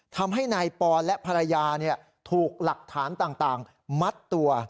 ทำให้นายปอนและภรรยาถูกหลักฐานต่างมัดตัว